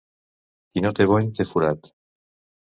Qui no té bony, té forat.